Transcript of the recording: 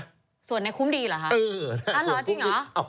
ส่วนในคุ้มดีเหรอฮะ